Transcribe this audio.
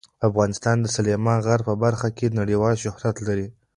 افغانستان د سلیمان غر په برخه کې نړیوال شهرت لري.